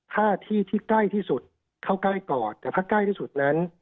ถ้าที่ที่ใกล้ที่สุดเข้าใกล้ก่อนแต่ถ้าใกล้ที่สุดนั้น